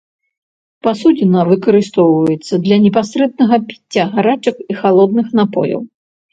Пасудзіна выкарыстоўваецца для непасрэднага піцця гарачых і халодных напояў.